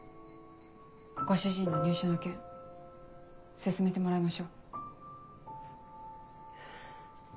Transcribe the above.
ご主人の入所の件進めてもらいましょう。